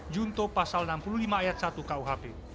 junto pasal enam puluh lima ayat satu kuhp